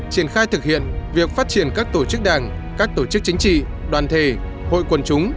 triển khai thực hiện việc phát triển các tổ chức đảng các tổ chức chính trị đoàn thể hội quần chúng